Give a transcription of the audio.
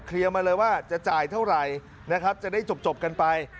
มาเลยว่าจะจ่ายเท่าไหร่นะครับจะได้จบกันไป